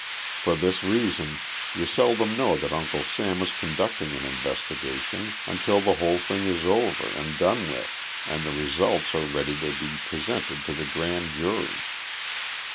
For this reason you seldom know that Uncle Sam is conducting an investigation until the whole thing is over and done with and the results are ready to be presented to the grand jury.